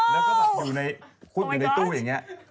แล้วก็อยู่ในตู้อย่างนี้